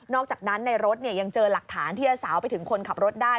อกจากนั้นในรถยังเจอหลักฐานที่จะสาวไปถึงคนขับรถได้